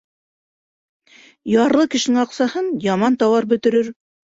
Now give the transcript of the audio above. Ярлы кешенең аҡсаһын яман тауар бөтөрөр.